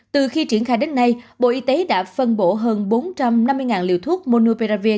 từ khi triển khai đến nay bộ y tế đã phân bổ hơn bốn trăm năm mươi liều thuốc monoperav